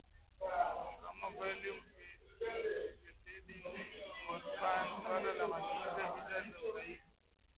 kama Valium pethedine morphine Suala la matumizi ya bidhaa za uraibu